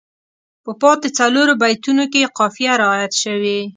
په پاتې څلورو بیتونو کې یې قافیه رعایت شوې.